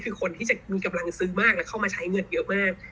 คือคนที่จะมีกำลังซื้อมากและเข้ามาใช้เงินเยอะมาก